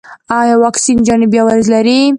ایا واکسین جانبي عوارض لري؟